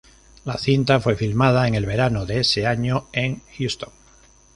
La cinta fue filmada en el verano de ese año en Houston.